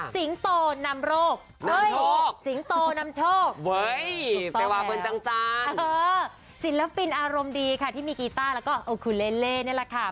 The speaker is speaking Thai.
สิงโตนำโรคสิงโตนำโชคสิลฟินอารมณ์ดีค่ะที่มีกีตาร์แล้วก็โอคูเลเลนี่แหละค่ะ